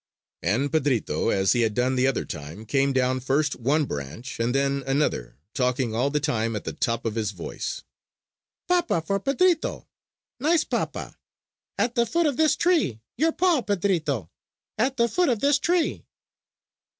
And Pedrito, as he had done the other time, came down first one branch and then another, talking all the time at the top of his voice: "Papa for Pedrito! Nice papa! At the foot of this tree! Your paw, Pedrito! At the foot of this tree!"